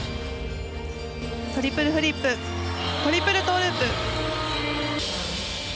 トリプルフリップトリプルトウループ。